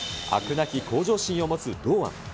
なき向上心を持つ堂安。